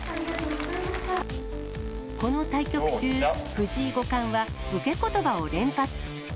この対局中、藤井五冠は武家ことばを連発。